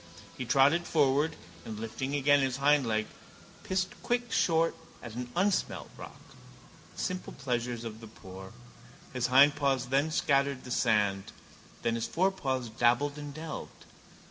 He trotted forward and, lifting again his hindleg, pissed quick short at an unsmelt rock. The simple pleasures of the poor. His hindpaws then scattered the sand: then his forepaws dabbled and delved.